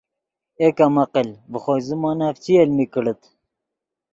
اے کم عقل ڤے خوئے زیمونف چی المی کڑیت